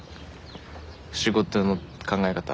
仕事の考え方。